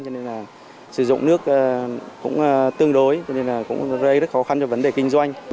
cho nên là sử dụng nước cũng tương đối cho nên là cũng gây rất khó khăn cho vấn đề kinh doanh